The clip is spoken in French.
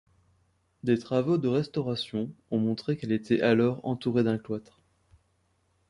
Des travaux de restauration ont montré qu’elle était alors entourée d’un cloître.